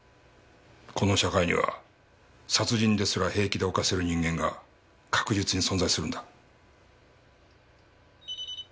この社会には殺人ですら平気で犯せる人間が確実に存在するんだ。